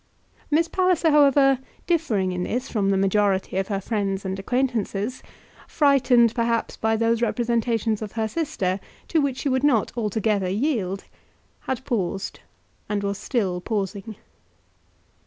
Miss Palliser, however, differing in this from the majority of her friends and acquaintances, frightened, perhaps by those representations of her sister to which she would not altogether yield, had paused, and was still pausing.